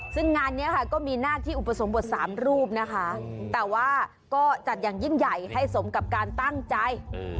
ซึ่งงานนี้ค่ะก็มีหน้าที่อุปสมบท๓รูปนะคะแต่ว่าก็จัดอย่างยิ่งใหญ่ให้สมกับการตั้งใจ